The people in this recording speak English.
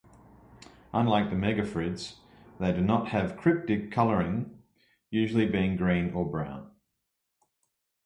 Unlike the megophryids, they do not have cryptic colouring, usually being green or brown.